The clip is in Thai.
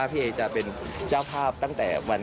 ได้ให้เสร็จแล้วก็เรียกแล้วนะคะ